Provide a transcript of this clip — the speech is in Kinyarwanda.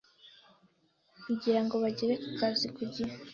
kugira ngo bagere ku kazi ku gihe